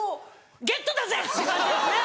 ゲットだぜ！っていう感じですね。